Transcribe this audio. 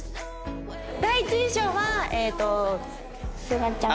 第一印象はえっとすがちゃん。